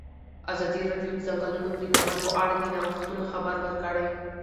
ازادي راډیو د د ځنګلونو پرېکول په اړه د نوښتونو خبر ورکړی.